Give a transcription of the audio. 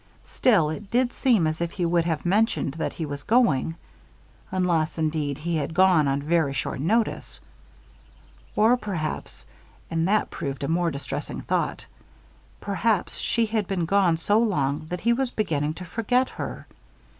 Still, it did seem as if he would have mentioned that he was going; unless, indeed, he had gone on very short notice. Or perhaps and that proved a most distressing thought perhaps she had been gone so long that he was beginning to forget her.